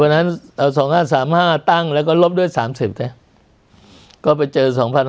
เพราะฉะนั้นเอา๒๕๓๕ตั้งแล้วก็ลบด้วย๓๐เนี่ยก็มาเจอ๒๕๐๕